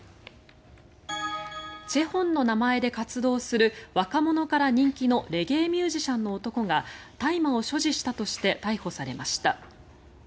ＣＨＥＨＯＮの名前で活動する若者から人気のレゲエミュージシャンの男が大麻を所持したとして逮捕されました。